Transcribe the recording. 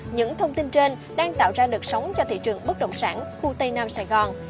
những thông tin trên đang tạo ra đợt sóng cho thị trường bất động sản khu tây nam sài gòn